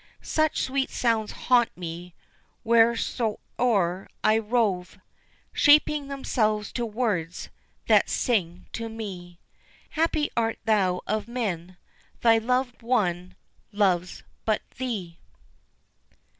Such sweet sounds haunt me wheresoe'er I rove Shaping themselves to words that sing to me, "Happy art thou of men, thy loved one loves but thee!"